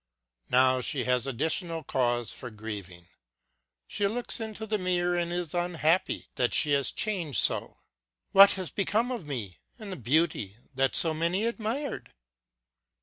Now she hat additional cause for grieving. She looks into the mirror and is unhappy that she has changed so. " What has become of me and the beauty that so many admired